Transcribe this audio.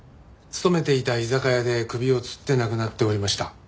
勤めていた居酒屋で首をつって亡くなっておりました。